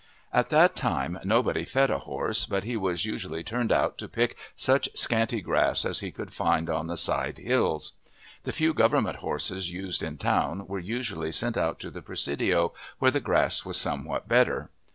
At that time nobody fed a horse, but he was usually turned out to pick such scanty grass as he could find on the side hills. The few government horses used in town were usually sent out to the Presidio, where the grass was somewhat better.